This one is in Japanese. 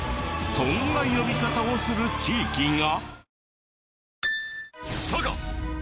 そんな呼び方をする地域が？